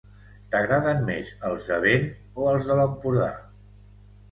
T'agraden més els de vent o els de l'Empordà?